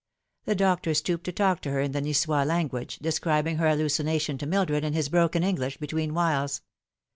The doctor stopped to talk to her in the Nipois language, describing her hallucination to Mildred in his broken English between whiles.